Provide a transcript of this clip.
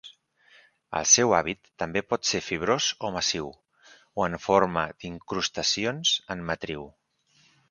El seu hàbit també pot ser fibrós o massiu, o en forma d'incrustacions en matriu.